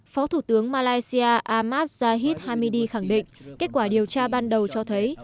phó thủ tướng malaysia ahmad zahid hamidi khẳng định kết quả điều tra ban đầu cho thấy